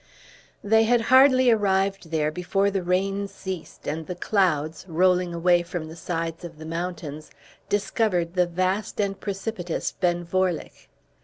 They had hardly arrived there before the rain ceased, and the clouds, rolling away from the sides of the mountains, discovered the vast and precipitous Ben Vorlich.